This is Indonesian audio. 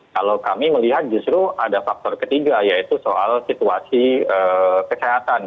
kalau kami melihat justru ada faktor ketiga yaitu soal situasi kesehatan